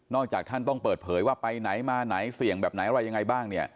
จากท่านต้องเปิดเผยว่าไปไหนมาไหนเสี่ยงแบบไหนอะไรยังไงบ้างเนี่ย